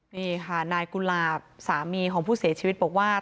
นี่ค่ะนายกุหลาบสามีของผู้เสียชีวิตบอกว่า